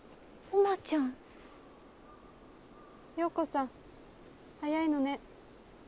葉子さん早いのね。